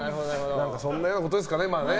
そんなようなことですかね。